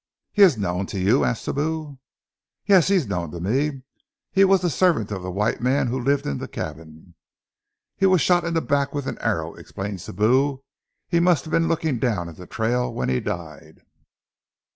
"He is known to you?" asked Sibou. "Yes, he is known to me. He was the servant of the white man who lived in the cabin." "He was shot in the back with an arrow." explained Sibou. "He must have been looking down at the trail when he died."